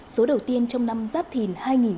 số đầu tiên trong năm giáp thìn hai nghìn hai mươi bốn